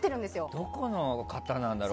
どこの方なんだろう。